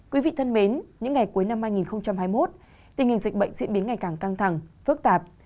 quý vị thân mến những ngày cuối năm hai nghìn hai mươi một tình hình dịch bệnh diễn biến ngày càng căng thẳng phức tạp